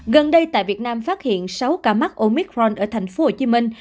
gần đây tại việt nam phát hiện sáu ca mắc omicron ở thành phố hồ chí minh